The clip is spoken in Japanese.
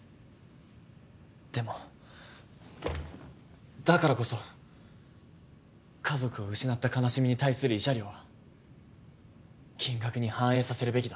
でもだからこそ家族を失った悲しみに対する慰謝料は金額に反映させるべきだ。